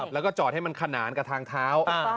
แล้วก็จอดให้มันขนานกับทางเท้า